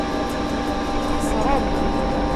Txeṣrem.